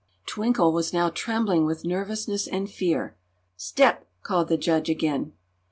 Twinkle was now trembling with nervousness and fear. "Step!" called the judge, again.